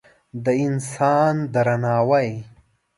د انسان درناوی